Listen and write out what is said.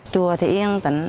chùa thì yên tĩnh